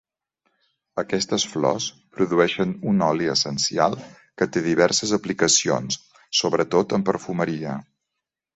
Aquestes flors produeixen un oli essencial que té diverses aplicacions, sobretot en perfumeria.